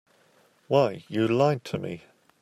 Why, you lied to me.